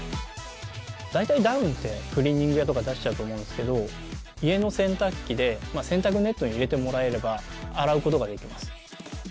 大体、ダウンってクリーニング屋とかに出しちゃうと思うんですけど家の洗濯機で洗濯ネットに入れてもらえれば洗うことができます。